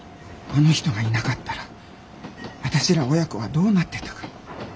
あの人がいなかったらあたしら親子はどうなってたか。